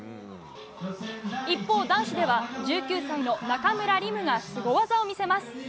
一方、男子では１９歳の中村輪夢がスゴ技を見せます。